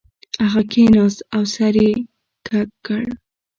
هغه کښیناست او سر یې کږ کړ